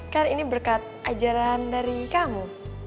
kan ini berkat ajaran dari kamu